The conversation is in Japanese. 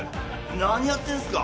何やってんすか。